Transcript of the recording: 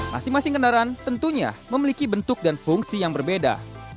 masing masing kendaraan tentunya memiliki bentuk dan fungsi yang berbeda